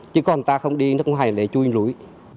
chứ còn ta không đi nước ngoài để chui núi